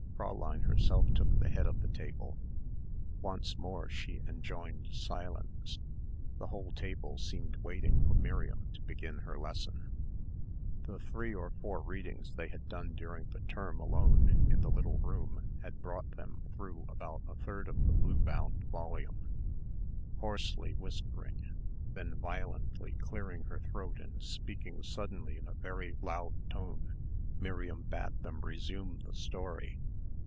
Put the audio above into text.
Fräulein herself took the head of the table. Once more she enjoined silence the whole table seemed waiting for Miriam to begin her lesson. The three or four readings they had done during the term alone in the little room had brought them through about a third of the blue bound volume. Hoarsely whispering, then violently clearing her throat and speaking suddenly in a very loud tone Miriam bade them resume the story.